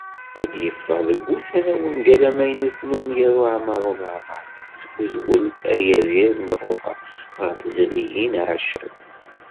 Ad d-yeffeɣ deg wussan-a, wungal amaynut n umyaru Ɛmeṛ Ulamaṛa, s uzwel "Agadir n Roma", ɣer teẓrigin Accab.